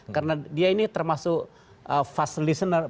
karena dia ini termasuk fast listener